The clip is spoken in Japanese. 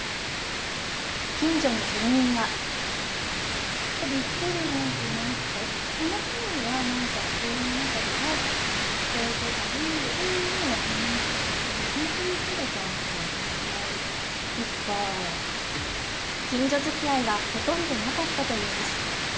近所の住民は近所づきあいはほとんどなかったといいます。